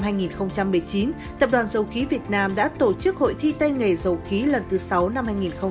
đội ngũ người lao động dầu khí việt nam đã tổ chức hội thi tay nghề dầu khí lần thứ sáu năm hai nghìn một mươi chín